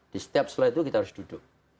di setiap setelah itu kita harus duduk